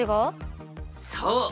そう。